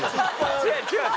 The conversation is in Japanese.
違う違う。